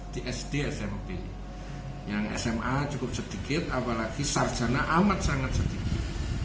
di sd smp yang sma cukup sedikit apalagi sarjana amat sangat sedikit